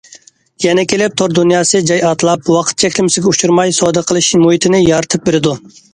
يەنە كېلىپ تور دۇنياسى جاي ئاتلاپ، ۋاقىت چەكلىمىسىگە ئۇچرىماي سودا قىلىش مۇھىتىنى يارىتىپ بېرىدۇ.